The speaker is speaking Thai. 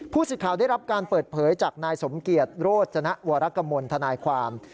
สิทธิ์ได้รับการเปิดเผยจากนายสมเกียจโรจนวรกมลทนายความ